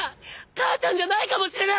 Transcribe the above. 母ちゃんじゃないかもしれな。